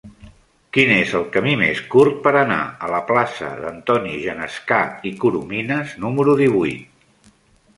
Quin és el camí més curt per anar a la plaça d'Antoni Genescà i Corominas número divuit?